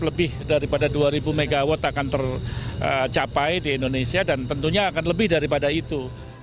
lebih daripada dua ribu megawatt akan tercapai di indonesia dan tentunya akan lebih daripada itu